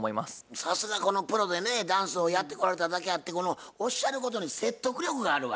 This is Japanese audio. さすがプロでねダンスをやってこられただけあってこのおっしゃることに説得力があるわ。